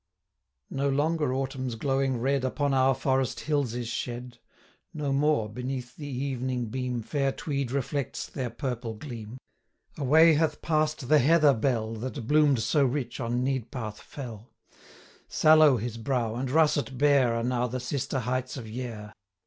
No longer Autumn's glowing red 15 Upon our Forest hills is shed; No more, beneath the evening beam, Fair Tweed reflects their purple gleam; Away hath pass'd the heather bell That bloom'd so rich on Needpath fell; 20 Sallow his brow, and russet bare Are now the sister heights of Yair.